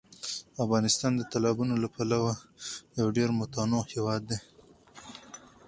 افغانستان د تالابونو له پلوه یو ډېر متنوع هېواد دی.